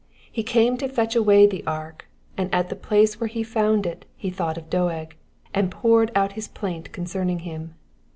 He came to fetch away the ark, and at the place where he found it he thought of Doeg, and Doured out his plaint concerning him.